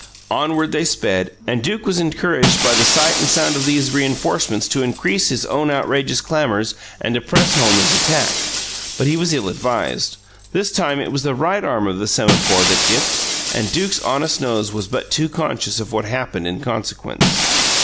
Onward they sped, and Duke was encouraged by the sight and sound of these reenforcements to increase his own outrageous clamours and to press home his attack. But he was ill advised. This time it was the right arm of the semaphore that dipped and Duke's honest nose was but too conscious of what happened in consequence.